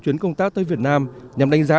chuyến công tác tới việt nam nhằm đánh giá